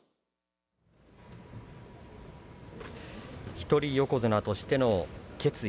一人横綱としての決意